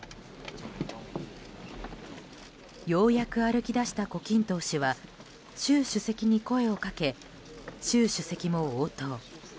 ようやく歩き出した胡錦涛氏は習主席に声をかけ習主席も応答。